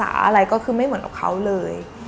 อะไรก็คือไม่เหมือนกับเขาเลย